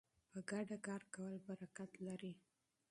په ګډه کار کول برکت لري.